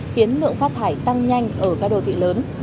khiến lượng phát thải tăng nhanh ở các đô thị lớn